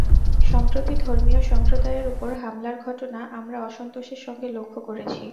সম্প্রতি ধর্মীয় সম্প্রদায়ের ওপর হামলার ঘটনা আমরা অসন্তোষের সঙ্গে লক্ষ করেছি।